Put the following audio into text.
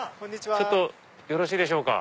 ちょっとよろしいでしょうか？